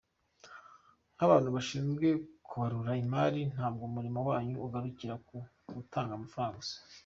Nk’abantu bashinzwe kubarura imari ntabwo umurimo wanyu ugarukiye ku gutanga amafaranga gusa.